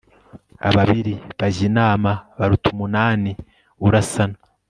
ababiri bajya inama baruta umunani urasana